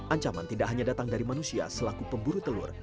ancaman tidak hanya datang dari manusia selaku pemburu telur